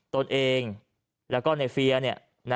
ตนเองแล้วก็ในเฟียร์เนี่ย